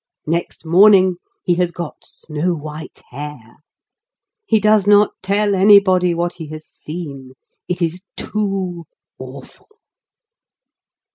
Next morning he has got snow white hair. He does not tell anybody what he has seen: it is too awful.